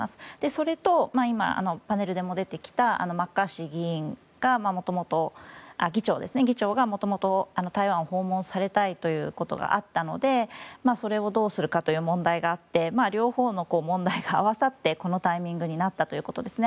それと、今パネルでも出てきたマッカーシー議長が元々、台湾を訪問されたいということがあったのでそれをどうするかという問題があって両方の問題が合わさってこのタイミングになったということですね。